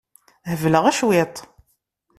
Hebleɣ cwiṭ.